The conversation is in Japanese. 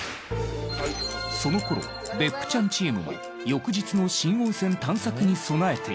その頃別府ちゃんチームも翌日の新温泉探索に備えていた。